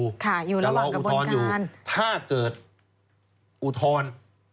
ค่ะอยู่ระหว่างกระบวนการจะรออุทธรณ์อยู่ถ้าเกิดอุทธรณ์